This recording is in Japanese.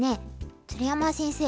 鶴山先生